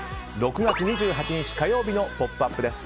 ６月２８日、火曜日の「ポップＵＰ！」です。